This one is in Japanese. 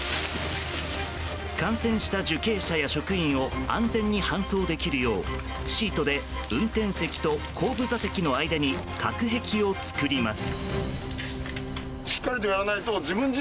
感染した受刑者や職員を安全に搬送できるようシートで運転席と後部座席の間に隔壁を作ります。